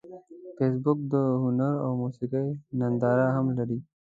فېسبوک د هنر او موسیقۍ ننداره هم لري